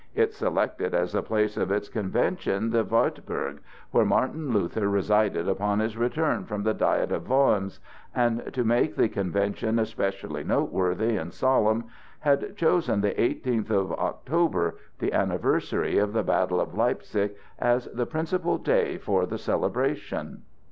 It selected as the place of its convention the Wartburg, where Martin Luther resided upon his return from the Diet of Worms and, to make the convention especially noteworthy and solemn, had chosen the eighteenth of October, the anniversary of the battle of Leipsic, as the principal day for the celebration.